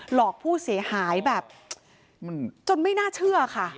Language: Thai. หลอกผู้เสียหายแบบจนไม่น่าเชื่อค่ะ